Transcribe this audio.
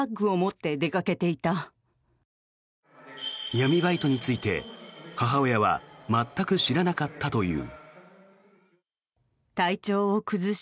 闇バイトについて母親は全く知らなかったという。